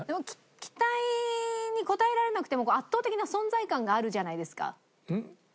期待に応えられなくても圧倒的な存在感があるじゃないですか。